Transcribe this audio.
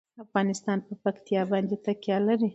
افغانستان په پکتیکا باندې تکیه لري.